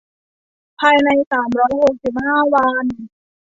ภายในสามร้อยหกสิบห้าวัน